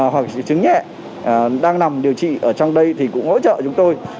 hoặc triệu chứng nhẹ đang nằm điều trị ở trong đây thì cũng hỗ trợ chúng tôi